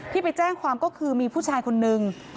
ไปแจ้งความก็คือมีผู้ชายคนนึง